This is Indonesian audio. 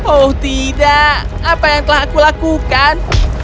oh tidak apa yang telah aku lakukan